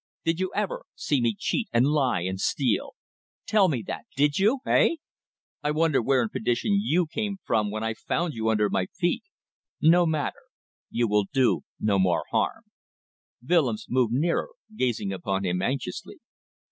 "Did you ever see me cheat and lie and steal? Tell me that. Did you? Hey? I wonder where in perdition you came from when I found you under my feet. ... No matter. You will do no more harm." Willems moved nearer, gazing upon him anxiously.